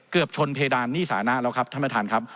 เกือบชนเพดานหนี้สานะแล้วครับท่านประธานครับ